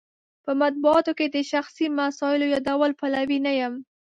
په مطبوعاتو کې د شخصي مسایلو یادولو پلوی نه یم.